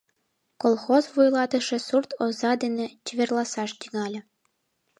Колхоз вуйлатыше сурт оза дене чеверласаш тӱҥале.